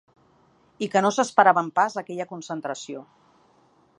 I que no s’esperaven pas aquella concentració.